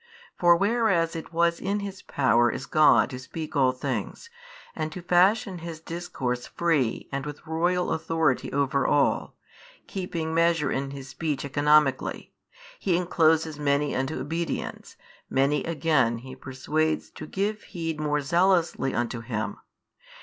For whereas it was in His Power as God to speak all things, and to fashion His Discourse free and with royal Authority over all, keeping measure in His Speech economically, He encloses many unto obedience, many again He persuades to give heed more zealously unto Him.